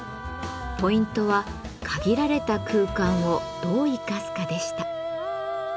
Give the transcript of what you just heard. ポイントは「限られた空間をどう生かすか」でした。